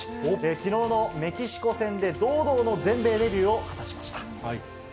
きのうのメキシコ戦で堂々の全米デビューを果たしました。